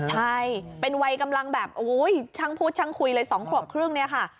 ใช่เป็นวัยกำลังแบบโอ้ยช่างพูดช่างคุยเลย๒ขวบครึ่งเนี่ยค่ะ